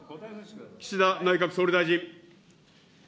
岸田内閣総理大臣。